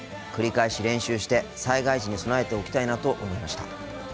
繰り返し練習して災害時に備えておきたいなと思いました。